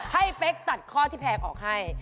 เป๊กตัดข้อที่แพงออกให้